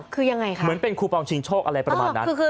คือยังไงคะเหมือนเป็นคูปองชิงโชคอะไรประมาณนั้น